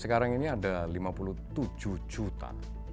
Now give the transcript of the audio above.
sekarang ini ada lima puluh tujuh juta